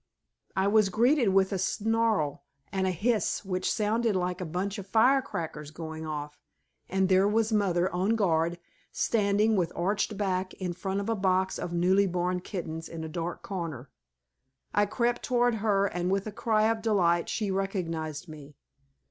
I was greeted with a snarl and hiss which sounded like a bunch of fire crackers going off, and there was mother on guard, standing with arched back in front of a box of newly born kittens in a dark corner. I crept toward her and with a cry of delight she recognized me.